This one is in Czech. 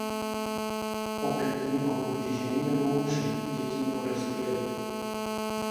Oběťmi mohou být ženy nebo muži, děti nebo dospělí.